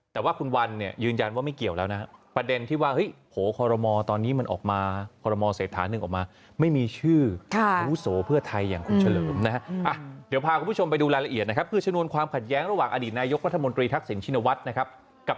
เดี๋ยวพาคุณผู้ชมไปดูรายละเอียดนะครับ